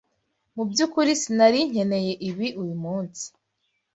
Mu byukuri sinari nkeneye ibi uyu munsi.